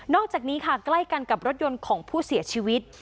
อกจากนี้ค่ะใกล้กันกับรถยนต์ของผู้เสียชีวิต